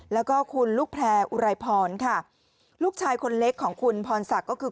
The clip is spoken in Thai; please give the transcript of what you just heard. แล้วก็คุณลูกแผลอุไรพรลูกชายคนเล็กของคุณพรศักดิ์